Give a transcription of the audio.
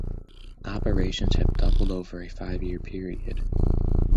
Operations have doubled over a five-year period.